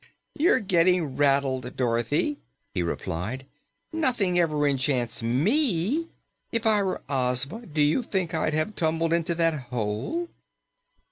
"You're getting rattled, Dorothy," he replied. "Nothing ever enchants ME. If I were Ozma, do you think I'd have tumbled into that hole?"